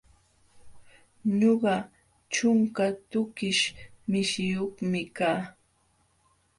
Ñuqa ćhunka tukish mishiyuqmi kaa.